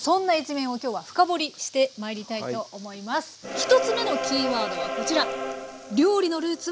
１つ目のキーワードはこちら。